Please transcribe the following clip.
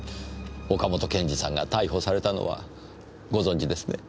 岡本賢治さんが逮捕されたのはご存じですね？